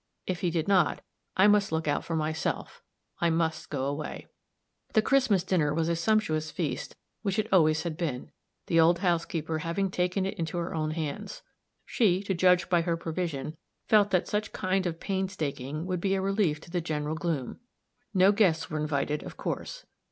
If he did not I must look out for myself I must go away. The Christmas dinner was the sumptuous feast which it always had been, the old housekeeper having taken it into her own hands. She, to judge by her provision, felt that such kind of painstaking would be a relief to the general gloom. No guests were invited, of course.